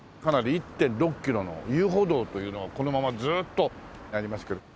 １．６キロの遊歩道というのがこのままずーっとありますけど。